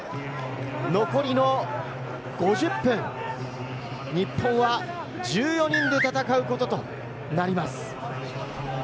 残りの５０分、日本は１４人で戦うこととなります。